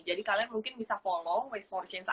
jadi kalian mungkin bisa follow waste empat chains